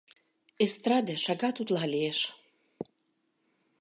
Эстраде шагат утла лиеш.